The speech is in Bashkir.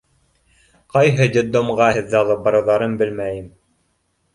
— Ҡайһы детдомға һеҙҙе алып барыуҙарын белмәйем.